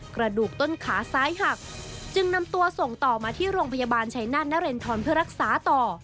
กระดูกต้นขาซ้ายหักจึงนำตัวส่งต่อมาที่โรงพยาบาลชัยนาธนเรนทรเพื่อรักษาต่อ